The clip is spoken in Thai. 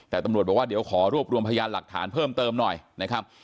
แต่ตำรวจบอกว่าเดี๋ยวขอรวบรวมพยานหลักฐานเพิ่มเติมหน่อยนะครับ